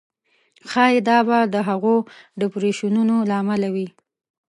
ښایي دا به د هغو ډېپریشنونو له امله وي.